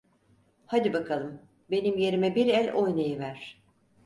Hadi bakalım, benim yerime bir el oynayıver.